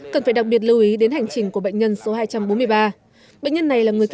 cần phải đặc biệt lưu ý đến hành trình của bệnh nhân số hai trăm bốn mươi ba